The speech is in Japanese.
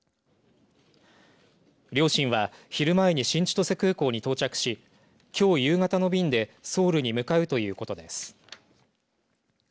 両親は昼前に新千歳空港に到着しきょう夕方の便でソウルに向かうということです。